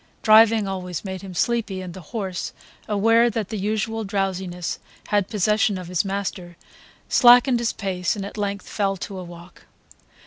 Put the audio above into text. Driving always made him sleepy, and the horse, aware that the usual drowsiness had possession of his master, slackened his pace and at length fell to a walk.